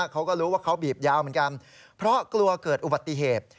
เขาก็รู้ว่าเขาบีบยาวเหมือนกันเพราะกลัวเกิดอุบัติเหตุ